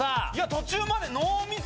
途中まで。